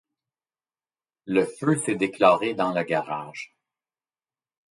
Le feu s'est déclaré dans le garage.